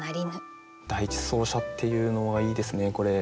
「第一走者」っていうのはいいですねこれ。